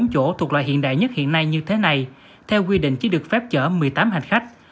bốn chỗ thuộc loại hiện đại nhất hiện nay như thế này theo quy định chỉ được phép chở một mươi tám hành khách